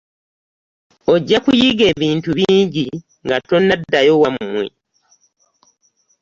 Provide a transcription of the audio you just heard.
Ojja kuyiga ebintu bingi nga tonnadaayo wammwe.